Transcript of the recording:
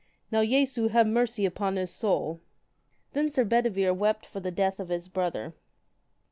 Now Jesu have mercy upon his soul. Then Sir Bedivere wept for the death of his brother.